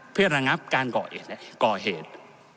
เพื่อระงับการก่อเหตุ